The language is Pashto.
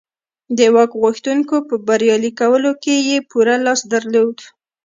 د واک غوښتونکو په بریالي کولو کې یې پوره لاس درلود